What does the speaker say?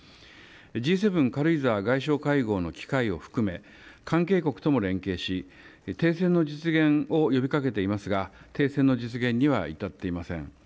Ｇ７軽井沢外相会合の機会を含め関係国とも連携し停戦の実現を呼びかけていますが停戦の実現には至っていません。